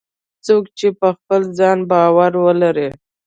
څوک چې په خپل ځان باور ولري